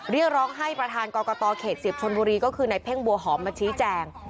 เรียกร้องให้ประธานกรกตเขต๑๐ชนบุรีก็คือในเพ่งบัวหอมมาชี้แจง